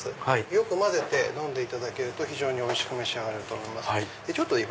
よく混ぜて飲んでいただけるとおいしく召し上がれると思います。